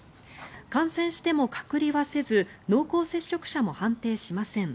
感染しても隔離はせず濃厚接触者も判定しません。